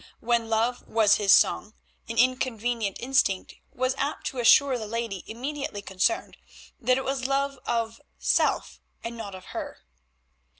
When love was his song an inconvenient instinct was apt to assure the lady immediately concerned that it was love of self and not of her.